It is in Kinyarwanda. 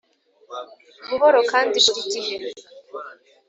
buhoro kandi burigihe